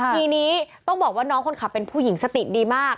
ทีนี้ต้องบอกว่าน้องคนขับเป็นผู้หญิงสติดีมาก